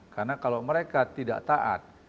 karena kalau mereka tidak taat